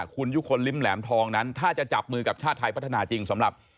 คุณยุคลลิ้มแหลมทองนั้นถ้าจะจับมือกับชาติไทยพัฒนาจริงสำหรับ